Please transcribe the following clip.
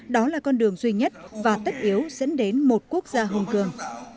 đó là con đường duy nhất và tích yếu dẫn đến một quốc gia hồng cường